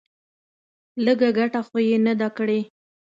لږه گټه خو يې نه ده کړې.